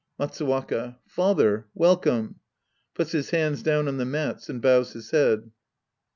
Matswrnaki. Father. Welcome. {Puts his hands down on the mats and bows his head.)